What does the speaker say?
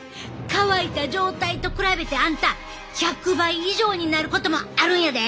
乾いた状態と比べてあんた１００倍以上になることもあるんやで！